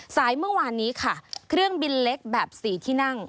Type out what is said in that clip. สายเมื่อวานนี้ค่ะเครื่องบินเล็กแบบ๔ที่นั่ง